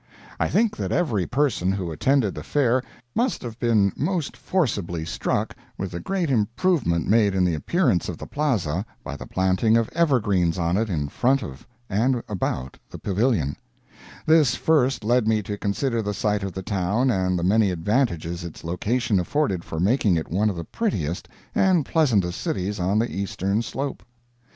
I think that every person who attended the Fair must have been most forcibly struck with the great improvement made in the appearance of the Plaza by the planting of evergreens on it in front of and about the Pavilion; this first led me to consider the site of the town and the many advantages its location afforded for making it one of the prettiest and pleasantest cities on the Eastern Slope.